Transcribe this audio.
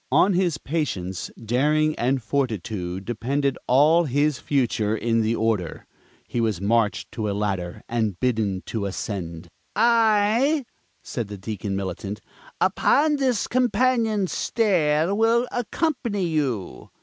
On his patience, daring and fortitude depended all his future in the Order. He was marched to a ladder and bidden to ascend. "I," said the Deacon Militant, "upon this companion stair will accompany you."